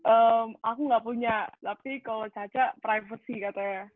aku nggak punya tapi kalau caca privacy katanya